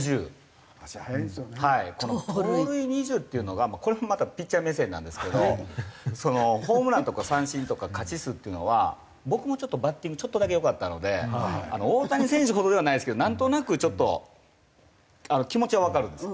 この盗塁２０っていうのがこれもまたピッチャー目線なんですけどホームランとか三振とか勝ち数っていうのは僕もバッティングちょっとだけ良かったので大谷選手ほどではないですけどなんとなくちょっと気持ちはわかるんですよ。